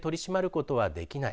ことはできない。